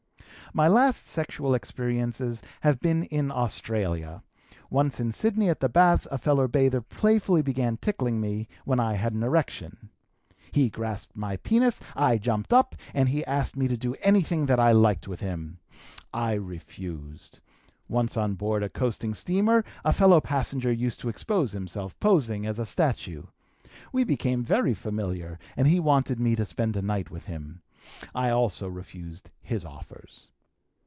"My last sexual experiences have been in Australia; once in Sydney at the baths a fellow bather playfully began tickling me, when I had an erection; he grasped my penis, I jumped up, and he asked me to do anything that I liked with him. I refused. Once on board a coasting steamer a fellow passenger used to expose himself, posing as a statue; we became very familiar and he wanted me to spend a night with him. I also refused his offers.